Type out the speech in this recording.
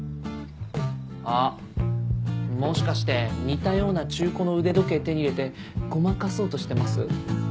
あっもしかして似たような中古の腕時計手に入れてごまかそうとしてます？